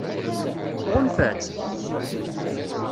Tɣunfa-tt?